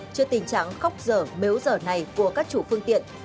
trước tình trạng khóc dở mếu dở này của các chủ phương tiện